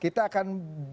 kita akan bicara